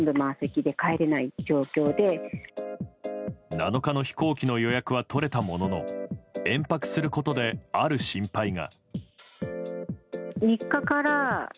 ７日の飛行機の予約は取れたものの延泊することである心配が。